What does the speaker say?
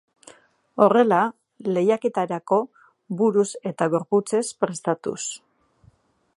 Horrela lehiaketarako buruz eta gorputzez prestatuz.